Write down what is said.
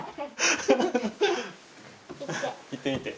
行ってみて。